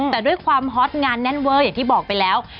แต่ด้วยความฮอตงานแน่นเวอร์อย่างที่บอกไปแล้ว